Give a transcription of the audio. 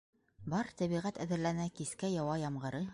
Бар тәбиғәт әҙерләнә Кискә яуа ямғыры.